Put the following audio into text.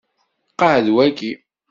Qɛed waki.